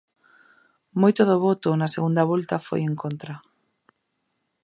Moito do voto na segunda volta foi en contra.